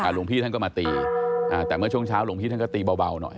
หลวงพี่ท่านก็มาตีแต่เมื่อช่วงเช้าหลวงพี่ท่านก็ตีเบาหน่อย